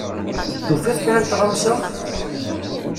Tufiḍ kra n tɣawsa?